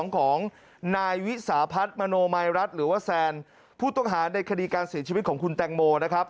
ของนายวิสาพัฒน์มโนมัยรัฐหรือว่าแซนผู้ต้องหาในคดีการเสียชีวิตของคุณแตงโมนะครับ